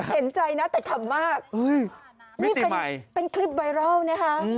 เห็นใจนะแต่ขำมากอุ้ยมิติใหม่เป็นคลิปไวรัลนะคะอืม